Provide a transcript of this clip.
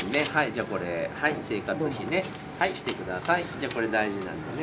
じゃこれ大事なんでね。